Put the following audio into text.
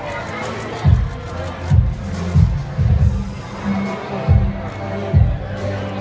สโลแมคริปราบาล